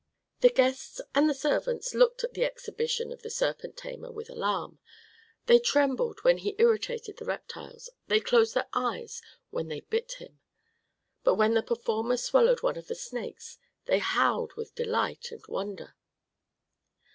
The guests and the servants looked at the exhibition of the serpent tamer with alarm. They trembled when he irritated the reptiles, they closed their eyes when they bit him; but when the performer swallowed one of the snakes, they howled with delight and wonder.